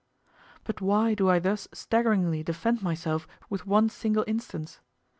But why do I thus staggeringly defend myself with one single instance?